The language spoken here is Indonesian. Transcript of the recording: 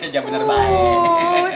jangan bener baik